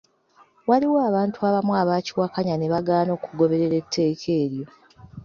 Waliwo abantu abamu abaakiwakanya ne bagaana okugoberera etteeka eryo.